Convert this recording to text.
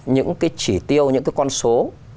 những cái chỉ tiêu những cái con số